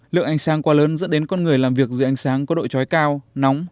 lượng ánh sáng quá lớn dẫn đến con người làm việc dưới ánh sáng có đội trói cao nóng